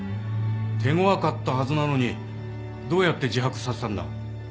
手ごわかったはずなのにどうやって自白させたんだ？